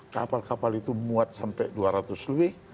kapal kapal itu muat sampai dua ratus lebih